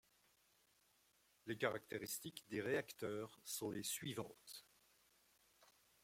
Les caractéristiques des réacteurs sont les suivantes.